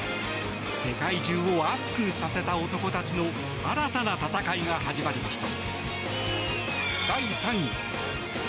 世界中を熱くさせた男たちの新たな戦いが始まりました。